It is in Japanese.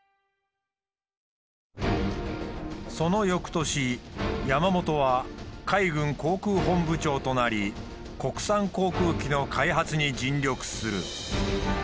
その翌年山本は海軍航空本部長となり国産航空機の開発に尽力する。